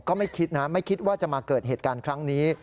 ไม่คิดนะไม่คิดว่าจะมาเกิดเหตุการณ์ครั้งนี้